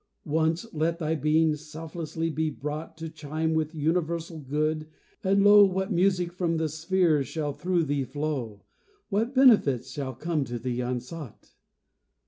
Once let thy being selflessly be brought To chime with universal good, and lo! What music from the spheres shall through thee flow! What benefits shall come to thee unsought!